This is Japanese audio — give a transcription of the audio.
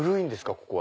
ここは。